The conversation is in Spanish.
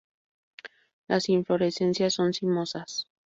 Las inflorescencias son cimosas.